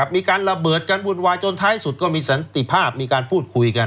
มีการระเบิดกันวุ่นวายจนท้ายสุดก็มีสันติภาพมีการพูดคุยกัน